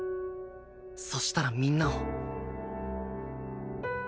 そしたらみんなを